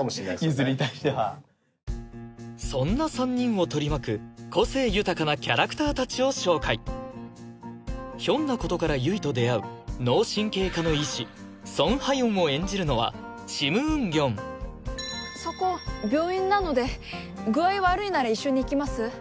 譲に対してはそんな３人を取り巻く個性豊かなキャラクター達を紹介ひょんなことから悠依と出会う脳神経科の医師宋夏英を演じるのはシム・ウンギョンそこ病院なので具合悪いなら一緒に行きます？